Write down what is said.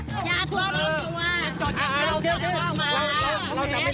มันจอดอย่างง่ายอย่างง่ายอย่างง่ายอย่างง่ายอย่างง่าย